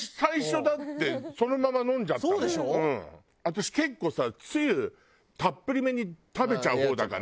私結構さつゆたっぷりめに食べちゃう方だから。